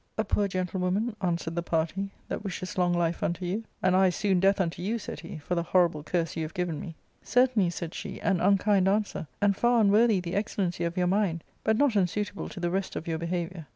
" A poor gentlewoman," answered the party, " that wish[es] long life unto you." " And I soon death unto you," said he, " for the horrible curse you have given me." " Certainly," said she, " an unkind answer, and far unworthy the excellency of your mind, but not unsuitable to the rest of your behaviour.